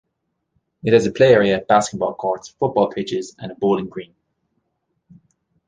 It has a play area, basketball courts, football pitches and a bowling green.